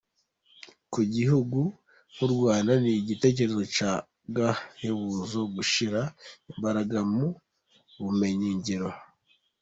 Ku gihugu nk’u Rwanda ni igitekerezo cy’agahebuzo gushyira imbaraga mu bumenyi ngiro.